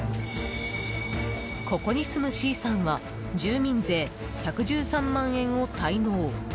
ここに住むＣさんは住民税１１３万円を滞納。